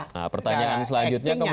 nah pertanyaan selanjutnya ke bumut